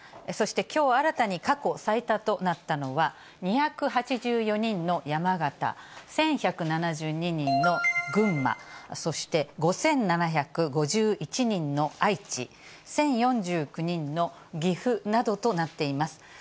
そしてきょう新たに過去最多となったのは、２８４人の山形、１１７２人の群馬、そして５７５１人の愛知、１０４９人の岐阜などとなっています。